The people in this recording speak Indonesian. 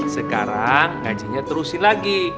sekarang ngajarnya terusin lagi